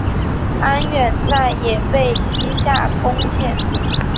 安远寨也被西夏攻陷。